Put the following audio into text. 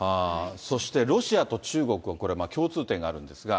そして、ロシアと中国はこれ、共通点があるんですが。